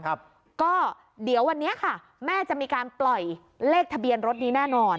ครับก็เดี๋ยววันนี้ค่ะแม่จะมีการปล่อยเลขทะเบียนรถนี้แน่นอน